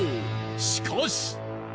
しかし。